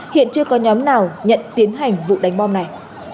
hiện chưa có nhóm nào nhận tiến hành vụ đánh bom này